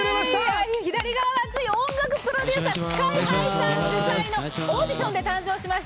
音楽プロデューサーＳＫＹ−ＨＩさん主催のオーディション番組で誕生しました